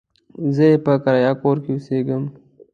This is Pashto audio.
زه يې په کرايه کور کې اوسېږم.